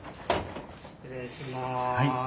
失礼します。